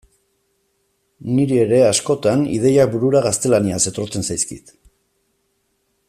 Niri ere, askotan, ideiak burura gaztelaniaz etortzen zaizkit.